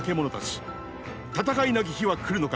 戦いなき日は来るのか。